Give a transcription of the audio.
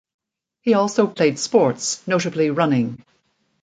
He also played sports, notably running.